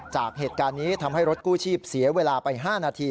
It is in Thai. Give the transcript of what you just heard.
จากเหตุการณ์นี้ทำให้รถกู้ชีพเสียเวลาไป๕นาที